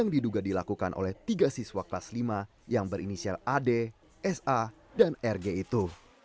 yang diduga dilakukan oleh tiga siswa kelas lima yang berinisial ad sa dan rg itu